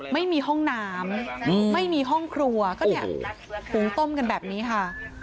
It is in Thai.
ไม่มีห้องน้ำไม่มีห้องครัวก็เนี่ยหุงต้มกันแบบนี้ค่ะ